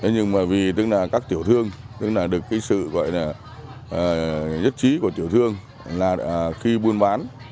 nhưng vì các tiểu thương được sự nhất trí của tiểu thương là khi buôn bán